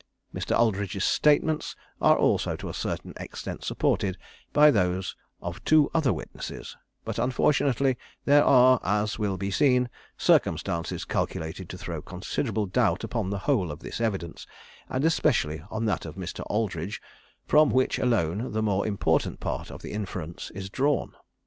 Mr. Aldridge's statements are also to a certain extent supported by those of two other witnesses; but, unfortunately, there are, as will be seen, circumstances calculated to throw considerable doubt upon the whole of this evidence, and especially on that of Mr. Aldridge, from which alone the more important part of the inference is drawn.